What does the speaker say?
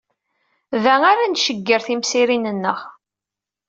Da ara ncegger timsirin-nneɣ.